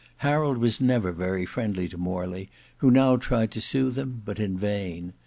Harold was never very friendly to Morley, who now tried to soothe him, but in vain.